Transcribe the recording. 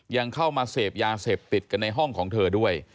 ยังเข้ามาเสพยาเสพติดกันในห้องของเธอด้วย